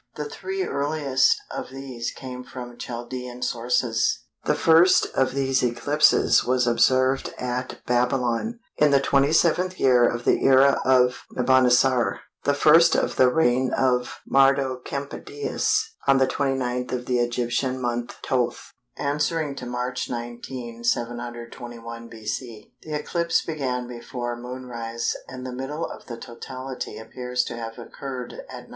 The three earliest of these came from Chaldæan sources. The first of these eclipses was observed at Babylon, in the 27th year of the era of Nabonassar, the 1st of the reign of Mardokempadius, on the 29th of the Egyptian month Thoth, answering to March 19, 721 B.C. The eclipse began before moonrise, and the middle of the totality appears to have occurred at 9h.